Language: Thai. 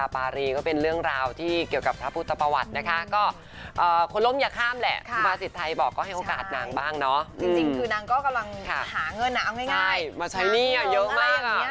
เพราะว่านางจะได้เอามาใช้หนี้ให้หมด